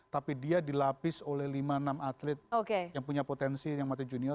tapi dia dilapis oleh lima enam atlet yang punya potensi yang mati junior